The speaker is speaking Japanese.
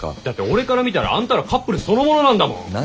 だって俺から見たらあんたらカップルそのものなんだもん。